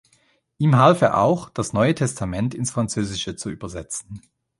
Ihm half er auch, das Neue Testament ins Französische zu übersetzen.